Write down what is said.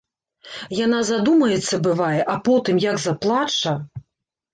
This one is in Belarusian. Яна задумаецца, бывае, а потым як заплача!